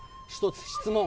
１つ質問。